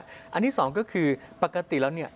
อันที่สองก็คือปกติแล้วเนี่ย